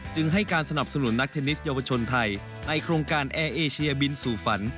จึงให้การสนับสนุนนักเทนนิสเยาวชนไทยในโครงการแอร์เอเชียบินสู่ฝัน